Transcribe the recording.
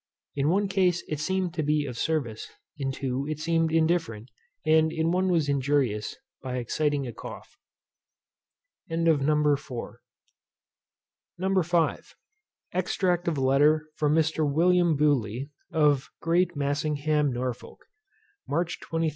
In one case it seemed to be of service, in two it seemed indifferent, and in one was injurious, by exciting a cough. NUMBER V. Extract of a Letter from Mr. WILLIAM BEWLEY, of GREAT MASSINGHAM, NORFOLK. March 23, 1774.